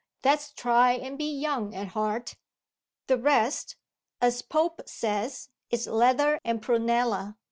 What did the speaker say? let's try and be young at heart. 'The rest' (as Pope says) 'is leather and prunella.